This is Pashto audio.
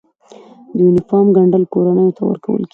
د یونیفورم ګنډل کورنیو ته ورکول کیږي؟